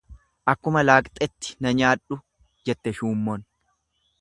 Akkuma laaqxetti na nyaadhu jette shuummoon.